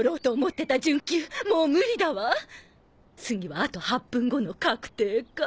次はあと８分後の各停か。